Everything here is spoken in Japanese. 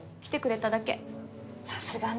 さすがね。